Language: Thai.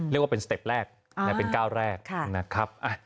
แต่เป็นก้าวแรกนะครับ